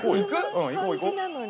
うん行こう行こう。